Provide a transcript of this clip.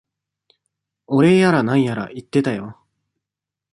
お礼やら何やら言ってたよ。